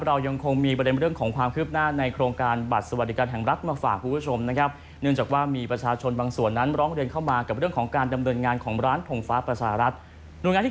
ท่านอธิบดีกรมการค้าภายในกระทรวมพนิษฐ์